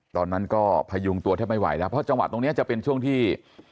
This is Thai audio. ตอนนั้นก็พยุงตัวแทบไม่ไหวแล้วเพราะจังหวะตรงนี้จะเป็นช่วงที่